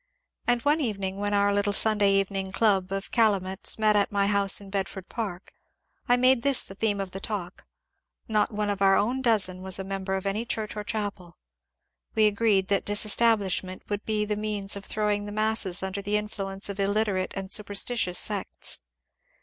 And one evening when our little Sunday evening dub of ^^ Calumets " met at my house in Bedford Park, I made this the theme of the talk, <^ not one of our dozen was a member of any church or chapel, — we agreed that disestablishment would be the means of throwing the masses under the influence of illiterate and superstitious sects.